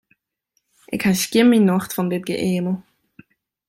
Ik ha skjin myn nocht fan dit geëamel.